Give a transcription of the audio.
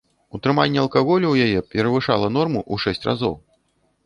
Утрыманне алкаголю ў яе перавышала норму ў шэсць разоў.